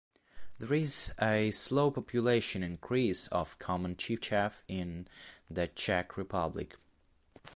There is a slow population increase of common chiffchaff in the Czech Republic.